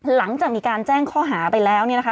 หลังจากมีการแจ้งข้อหาไปแล้วเนี่ยนะคะ